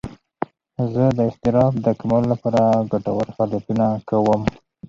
زه د اضطراب د کمولو لپاره ګټور فعالیتونه کوم.